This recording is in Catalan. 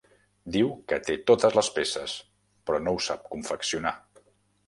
Diu que té totes les peces, però no ho sap confeccionar.